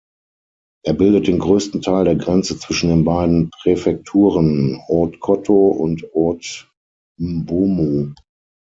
Er bildet den größten Teil der Grenze zwischen den beiden Präfekturen Haute-Kotto und Haut-Mbomou.